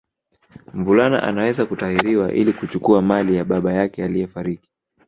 Mvulana anaweza kutahiriwa ili kuchukua mali ya baba yake aliyefariki